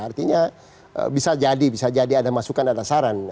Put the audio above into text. artinya bisa jadi ada masukan ada saran